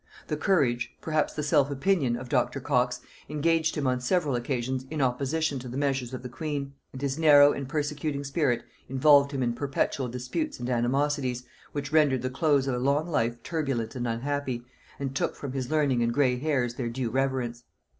The courage, perhaps the self opinion, of Dr. Cox, engaged him on several occasions in opposition to the measures of the queen; and his narrow and persecuting spirit involved him in perpetual disputes and animosities, which rendered the close of a long life turbulent and unhappy, and took from his learning and gray hairs their due reverence.